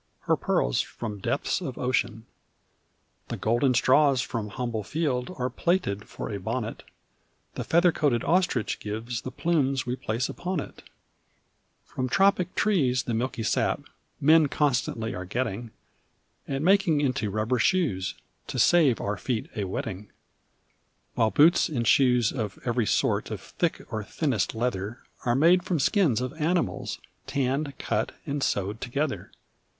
Her pearls from depths of ocean. The golden straws from humble field Are plaited for a bonnet, The feather coated ostrich gives The plumes we place upon it. From tropic trees the milky sap Men constantly are getting, And making into rubber shoes To save our feet a wetting: While boots and shoes of every sort, Of thick or thinnest leather, Are made from skins of animals, Tanned, cut, and sewed together.